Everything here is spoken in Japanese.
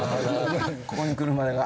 ここに来るまでが。